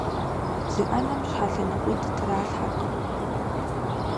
Зы Ӏэнэм щхьэ лъэныкъуитӀ тралъхьэркъым.